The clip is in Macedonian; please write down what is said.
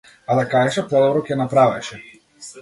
А да кажеше подобро ќе направеше.